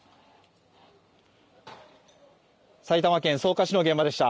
埼玉県草加市の現場でした。